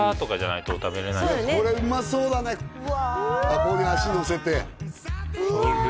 ここに足のせてうわ！